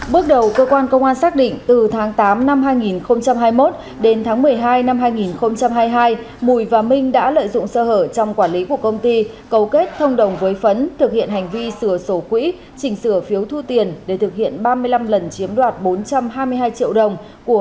bước đầu cơ quan công an xác định từ tháng tám năm hai nghìn hai mươi một đến tháng một mươi hai năm hai nghìn hai mươi hai mùi và minh đã lợi dụng sơ hở trong quản lý của công ty cầu kết thông đồng với phấn thực hiện hành vi sửa sổ quỹ chỉnh sửa phiếu thu tiền để thực hiện ba mươi năm lần chiếm đoạt bốn trăm hai mươi hai triệu đồng của công ty trách nhiệm hiểu hạn tiền châu hiện cơ quan điều tra đang hoàn tất hồ sơ xử lý nghiêm đối tượng trước pháp luật